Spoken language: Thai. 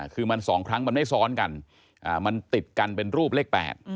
คือมัน๒ครั้งมันไม่ซ้อนกันมันติดกันเป็นรูปเลข๘